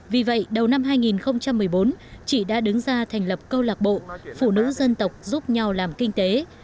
vì vậy đầu năm hai nghìn một mươi bốn chị đã đứng ra thành lập câu lạc bộ phụ nữ dân tộc giúp nhau làm kinh tế